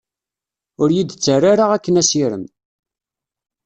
Ur yi-d-ttarra ara akken asirem.